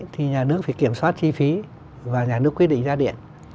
thì nhà nước phải kiểm soát chi phí và nhà nước quyết định giá điện